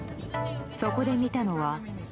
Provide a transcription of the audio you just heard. そこで見たのは。